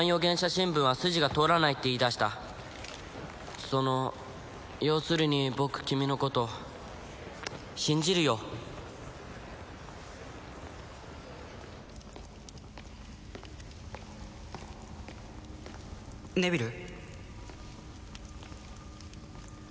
新聞は筋が通らないって言いだしたその要するに僕君のこと信じるよネビル？